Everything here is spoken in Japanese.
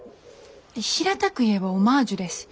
平たく言えばオマージュです。